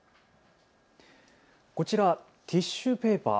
こちら、ティッシュペーパー。